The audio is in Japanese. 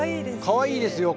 かわいいですよ。